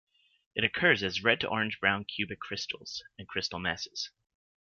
It occurs as red to orange brown cubic crystals and crystal masses.